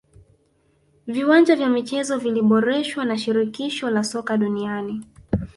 viwanja vya michezo viliboreshwa na shirikisho la soka duniani